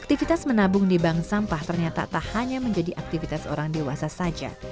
aktivitas menabung di bank sampah ternyata tak hanya menjadi aktivitas orang dewasa saja